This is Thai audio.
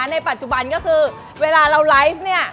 ในปัจจุบันก็คือเวลาเราไลฟ์เนี่ย